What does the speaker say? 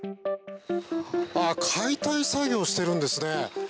解体作業をしてるんですね。